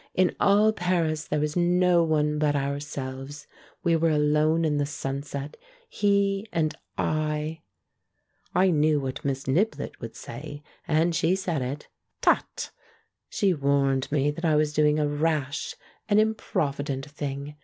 In all Paris there was no one but our selves. We were alone in the sunset — he and I! I knew what Miss Xiblett would say, and she said it — "Tut!" She warned me that I was do ing a rash, an improvident thing.